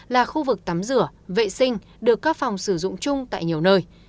là khu vực tắm rửa vệ sinh được các phòng sử dụng chung tại nhiều nơi